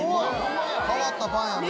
変わったパンやね。